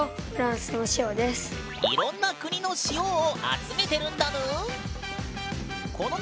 いろんな国の「塩」を集めてるんだぬん！